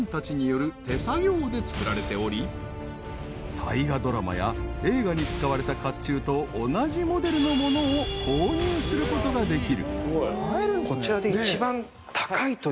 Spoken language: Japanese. ［大河ドラマや映画に使われた甲冑と同じモデルのものを購入することができる］